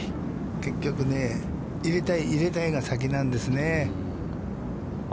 結局ね、入れたい入れたいが先なんですね。